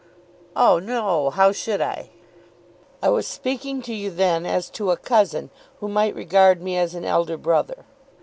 "Oh no; how should I?" "I was speaking to you then as to a cousin who might regard me as an elder brother.